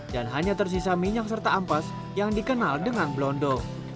dan hanya tersisa minyak serta ampas yang dikenal dengan blondo